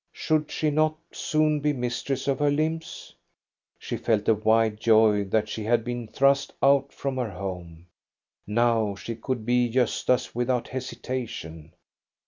Should she not soon be mistress of her limbs? She felt a wild joy that she had been thrust out from her home. Now she could be Gosta's without hesitation.